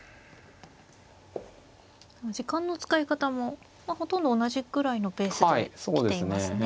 時間の使い方もほとんど同じくらいのペースで来ていますね。